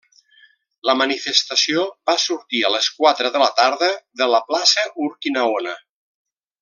La manifestació va sortir a les quatre de la tarda de Plaça Urquinaona.